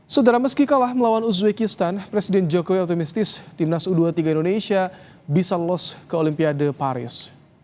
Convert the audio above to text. saudara meski kalah melawan uzbekistan presiden jokowi optimistis timnas u dua puluh tiga indonesia bisa lolos ke olimpiade paris